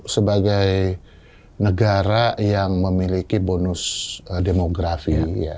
sebagai negara yang memiliki bonus demografi